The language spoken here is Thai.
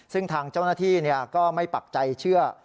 ซึ่งทางเจ้าหน้าที่ก็ไม่ปักใจเชื่อ